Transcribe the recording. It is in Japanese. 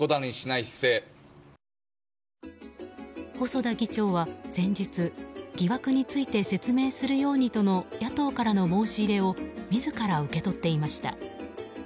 細田議長は先日、疑惑について説明するようにとの野党からの申し入れを自ら受け取っていました。